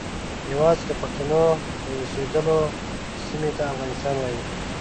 یوازې د پښتنو د اوسیدلو سیمې ته افغانستان وایي.